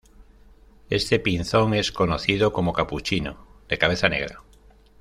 Este pinzón es conocido como capuchino de cabeza negra.